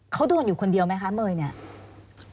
เขาโดนอยู่คนเดียวไหมคะเมย์เนี่ย